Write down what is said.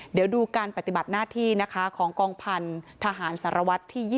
เดี๋ยวดูการปฏิบัติหน้าที่ของกองพันธ์ทหารสรวจที่๒๑ค่ะ